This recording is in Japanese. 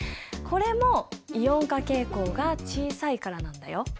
これもイオン化傾向が小さいからなんだよ。